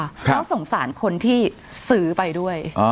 เขาสงสารคนที่ซื้อไปด้วย